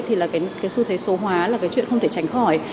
thì là cái xu thế số hóa là cái chuyện không thể tránh khỏi